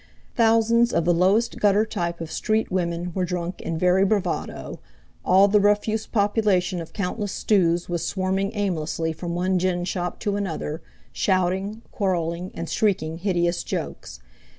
Thousands of the lowest gutter type of street women were drunk in very bravado; all the refuse population of countless stews was swarming aimlessly from one gin shop to another, shouting, quarrelling, and shrieking hideous jokes.